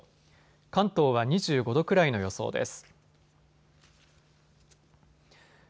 関東は２５度くらいの予想です。